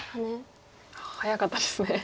早かったですね。